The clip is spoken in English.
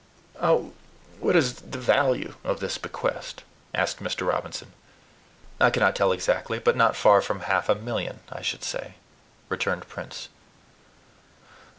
"What is the value of this bequest?" asked Mr. Robinson. "I cannot tell exactly, but not far from half a million, I should say," returned Prince.